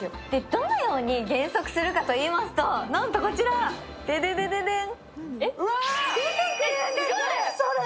どのように減速するかといいますと、なんとこちら、デデデン！